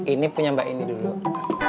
eh aku yang buahnya loh